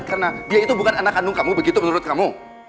karena dia itu bukan anak kandung kamu begitu menurut kamu